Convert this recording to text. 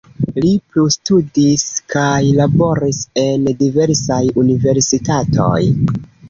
Li plustudis kaj laboris en diversaj universitatoj.